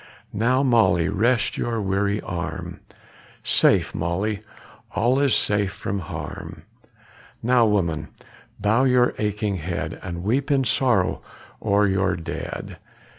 Now, Molly, rest your weary arm! Safe, Molly, all is safe from harm. Now, woman, bow your aching head, And weep in sorrow o'er your dead!